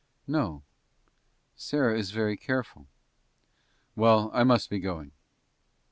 "No; Sarah is very careful." "Well, I must be going."